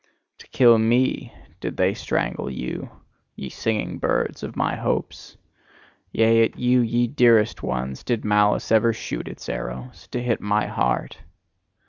To kill ME, did they strangle you, ye singing birds of my hopes! Yea, at you, ye dearest ones, did malice ever shoot its arrows to hit my heart!